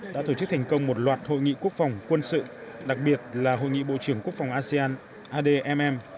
đã tổ chức thành công một loạt hội nghị quốc phòng quân sự đặc biệt là hội nghị bộ trưởng quốc phòng asean admm